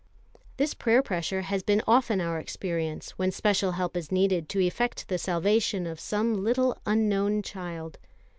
This prayer pressure has been often our experience when special help is needed to effect the salvation of some little unknown child.